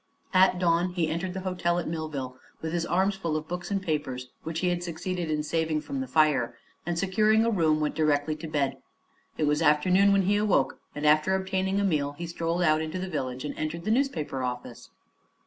At dawn he entered the hotel at Millville with his arms full of books and papers which he had succeeded in saving from the fire, and securing a room went directly to bed. It was afternoon when he awoke and after obtaining a meal he strolled out into the village and entered the newspaper office.